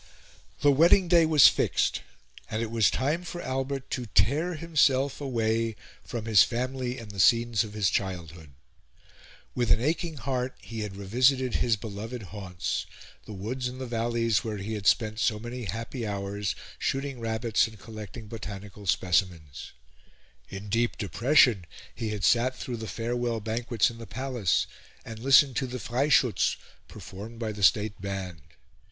The wedding day was fixed, and it was time for Albert to tear himself away from his family and the scenes of his childhood. With an aching heart, he had revisited his beloved haunts the woods and the valleys where he had spent so many happy hours shooting rabbits and collecting botanical specimens; in deep depression, he had sat through the farewell banquets in the Palace and listened to the Freischutz performed by the State band.